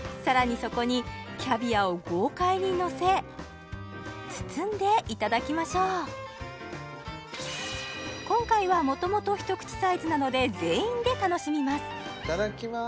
そこにキャビアを豪快にのせ包んでいただきましょう今回は元々一口サイズなので全員で楽しみますいただきます